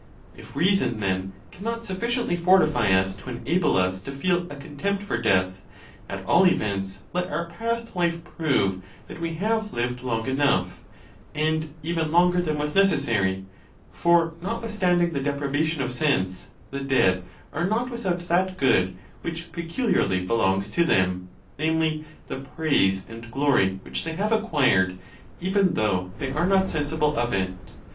If reason, then, cannot sufficiently fortify us to enable us to feel a contempt for death, at all events let our past life prove that we have lived long enough, and even longer than was necessary; for notwithstanding the deprivation of sense, the dead are not without that 'good which peculiarly belongs to them, namely, the praise and glory which they have acquired, even though they are not sensible of it.